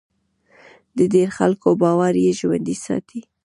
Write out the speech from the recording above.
د ډېرو خلکو باور یې ژوندی ساتي.